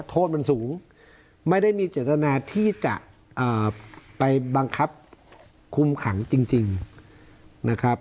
โทษมันสูงไม่ได้มีเจตนาที่จะไปบังคับคุมขังจริงนะครับ